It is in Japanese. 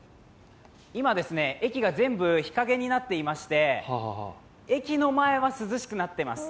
駅が全部、日陰になっていまして駅の前は涼しくなっています。